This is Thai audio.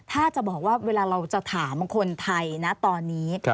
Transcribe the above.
ถ้าจะบอกว่าเวลาเราจะถามคนไทยนะตอนนี้